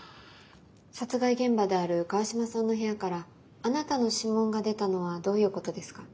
殺害現場である川島さんの部屋からあなたの指紋が出たのはどういうことですか？